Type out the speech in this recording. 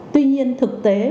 tuy nhiên thực tế